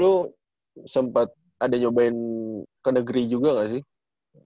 lu sempet ada nyobain ke negeri juga ga sih